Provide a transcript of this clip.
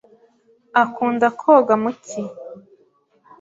Akunda koga mu cyi.